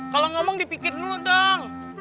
kalau ngomong dipikir dulu dong